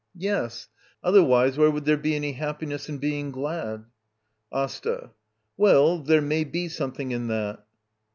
Yes. Otherwise, where would there . I h^r^ny happiness in being glad ? V AsTA. Well, there may be something in that.